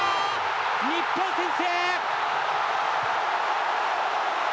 日本先制。